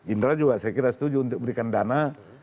indra juga saya kira setuju untuk berikan dana